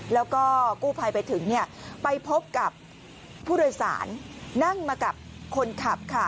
แล้วก็กู้ภัยไปถึงไปพบกับผู้โดยสารนั่งมากับคนขับค่ะ